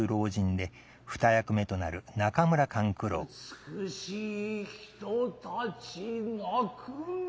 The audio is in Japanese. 美しい人たち泣くな。